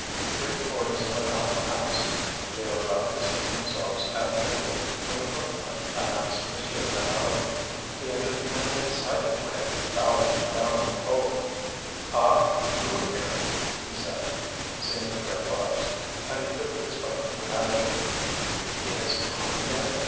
Three quarters of an hour passed and they were about to seat themselves at table when the footman announced M. Deneulin. He entered in an excited way and bowed to Madame Hennebeau. "Ah! you here!" he said, seeing the Grégoires. And he quickly spoke to the manager: "It has come, then?